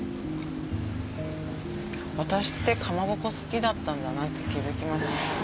私って蒲鉾好きだったんだなって気付きました。